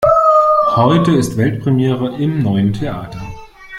Heute ist Weltpremiere im neuen Theater.